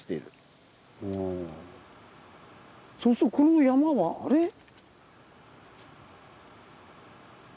そうするとこの山はあれ？